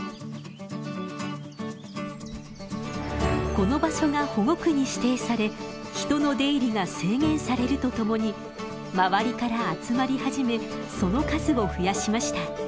この場所が保護区に指定され人の出入りが制限されるとともに周りから集まり始めその数を増やしました。